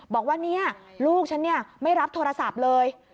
บอกว่าเนี่ยลูกฉันไม่รับโทรศัพท์เลย